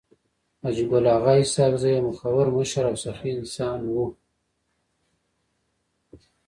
حاجي ګل اغا اسحق زی يو مخور مشر او سخي انسان وو.